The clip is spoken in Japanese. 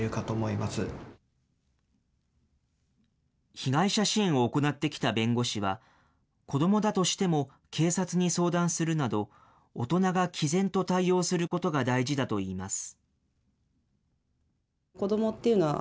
被害者支援を行ってきた弁護士は、子どもだとしても、警察に相談するなど、大人がきぜんと対応することが大事だといいます。